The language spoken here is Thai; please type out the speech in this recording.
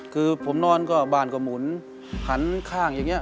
คือผมนอนก็บ้านก็หมุนหันข้างอย่างนี้